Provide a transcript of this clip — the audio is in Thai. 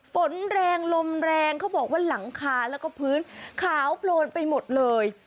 ฝนแรงลมแรงเขาบอกว่าหลังคาแล้วก็พื้นขาวโพลนไปหมดเลย